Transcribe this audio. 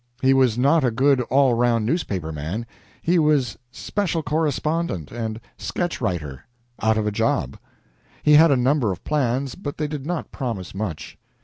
He was not a good, all round newspaper man he was special correspondent and sketch writer, out of a job. He had a number of plans, but they did not promise much.